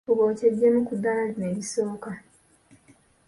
Fuba okyeggyeemu ku ddala lino erisooka.